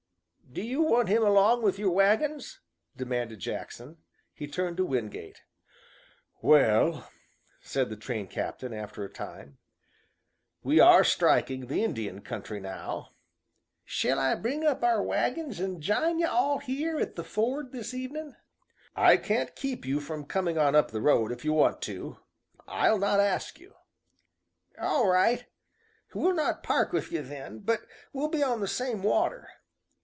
"Do you want him along with your wagons?" demanded Jackson. He turned to Wingate. "Well," said the train captain after a time, "we are striking the Indian country now." "Shall I bring up our wagons an' jine ye all here at the ford this evenin'?" "I can't keep you from coming on up the road if you want to. I'll not ask you." "All right! We'll not park with ye then. But we'll be on the same water.